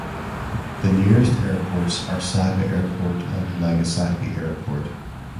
The nearest airports are Saga Airport and Nagasaki Airport.